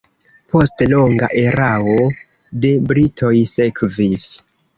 Poste longa erao de britoj sekvis.